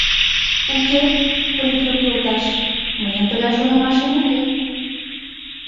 — Уке, политрук йолташ, мыйын тыгай шонымашем уке.